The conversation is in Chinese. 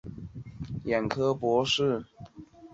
祖父洪长庚是台湾首位眼科博士。